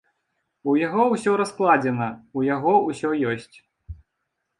У яго ўсё раскладзена, у яго ўсё ёсць.